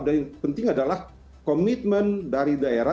dan yang penting adalah komitmen dari daerah